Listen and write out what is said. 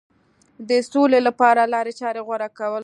د سولې لپاره لارې چارې غوره کول.